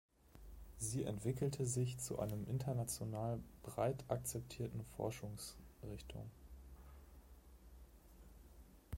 Sie entwickelte sich zu einem international breit akzeptierten Forschungsrichtung.